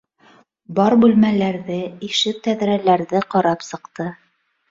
Бар бүлмәләрҙе, ишек-тәҙрәләрҙе ҡарап сыҡты.